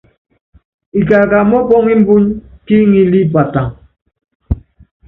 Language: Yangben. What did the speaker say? Ikaka mɔ́pɔ́ŋ imbúny kí iŋili i Pataŋ.